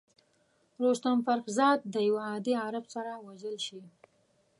رستم فرخ زاد د یوه عادي عرب سره وژل شي.